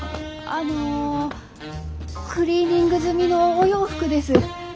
あのクリーニング済みのお洋服です。